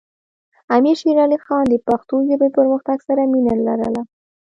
امیر شیر علی خان د پښتو ژبې پرمختګ سره مینه لرله.